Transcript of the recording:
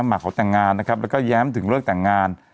หมาขอแต่งงานนะครับแล้วก็แย้มถึงเลิกแต่งงาน